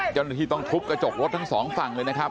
เจ้าหน้าที่ต้องทุบกระจกรถทั้งสองฝั่งเลยนะครับ